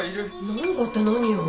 なんかって何よ